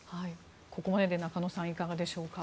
ここまでで中野さんいかがでしょうか？